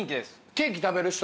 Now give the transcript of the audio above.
ケーキ食べる人。